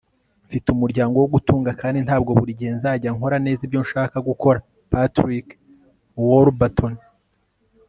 mfite umuryango wo gutunga. kandi ntabwo buri gihe nzajya nkora neza ibyo nshaka gukora. - patrick warburton